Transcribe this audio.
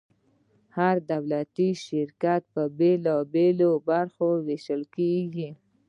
هر دولتي شرکت په بیلو بیلو برخو ویشل کیږي.